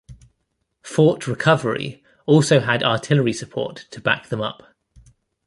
Fort Recovery also had artillery support to back them up.